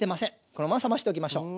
このまま冷ましておきましょう。